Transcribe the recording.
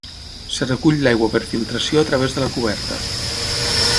Es recull l'aigua per filtració a través de la coberta.